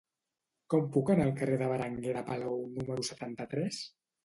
Com puc anar al carrer de Berenguer de Palou número setanta-tres?